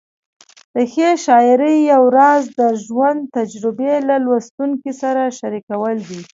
د ښې شاعرۍ یو راز د ژوند تجربې له لوستونکي سره شریکول دي.